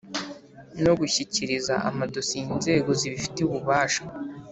no gushyikiriza amadosiye inzego zibifitiye ububasha: